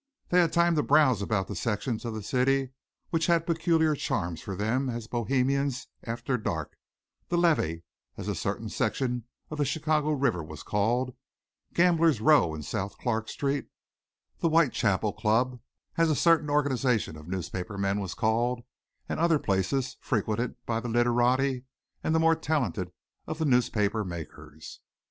They had time to browse about the sections of the city which had peculiar charms for them as Bohemians after dark the levee, as a certain section of the Chicago River was called; Gambler's Row in South Clark Street; the Whitechapel Club, as a certain organization of newspaper men was called, and other places frequented by the literati and the more talented of the newspaper makers.